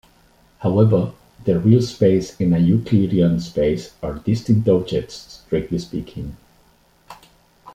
However, the real -space and a Euclidean -space are distinct objects, strictly speaking.